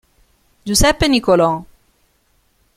Giuseppe Nicolò.